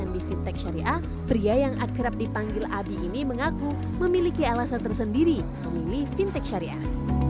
di fintech syariah pria yang akrab dipanggil abi ini mengaku memiliki alasan tersendiri memilih fintech syariah